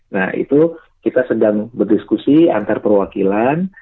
nah itu kita sedang berdiskusi antar perwakilan